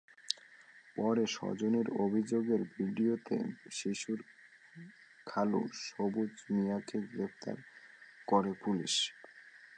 পরে স্বজনদের অভিযোগের ভিত্তিতে শিশুটির খালু সবুজ মিয়াকে গ্রেপ্তার করে পুলিশ।